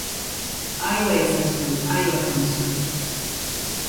愛は優しく、愛は悲しく